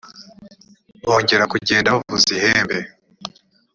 bongera kugenda bavuza ihembe.